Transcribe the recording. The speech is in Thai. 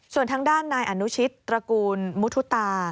ส่วนทางด้านนายอนุชิตตระกูลมุทุตา